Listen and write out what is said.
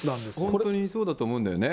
本当にそうだと思うんですね。